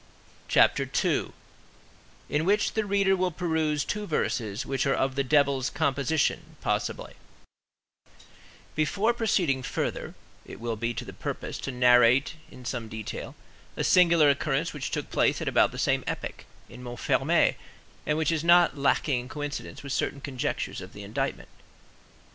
CHAPTER II—IN WHICH THE READER WILL PERUSE TWO VERSES, WHICH ARE OF THE DEVIL'S COMPOSITION, POSSIBLY Before proceeding further, it will be to the purpose to narrate in some detail, a singular occurrence which took place at about the same epoch, in Montfermeil, and which is not lacking in coincidence with certain conjectures of the indictment.